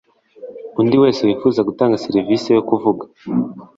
undi wese wifuza gutanga serivisi yokuvuga